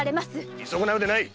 見損なうでない！